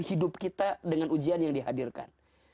hidup kita dengan ujian yang dihadirkan